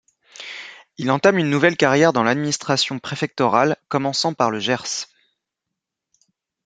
Il entame une nouvelle carrière dans l'administration préfectorale, commençant par le Gers.